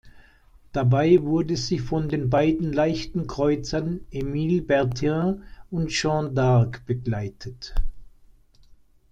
Dabei wurde sie von den beiden Leichten Kreuzern "Émile Bertin" und "Jeanne d'Arc" begleitet.